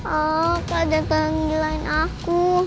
aaaaah kak jangan tanggilain aku